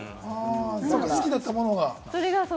好きだったものが。